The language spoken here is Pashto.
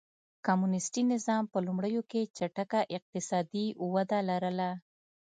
کمونېستي نظام په لومړیو کې چټکه اقتصادي وده لرله.